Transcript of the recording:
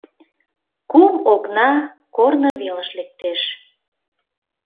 Кум окна корно велыш лектеш.